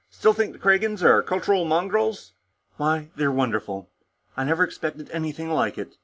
Still think the Kragans are cultural mongrels?" "Why, they're wonderful! I never expected anything like it.